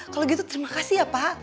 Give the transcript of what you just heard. kalau gitu terima kasih ya pak